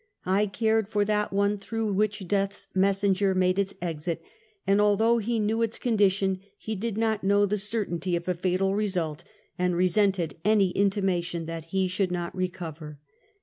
I cared for that one through which Death's messenger made its exit, and although he knew its condition, he did not know the certainty of a fatal result, and resented any intima tion that he should not recover.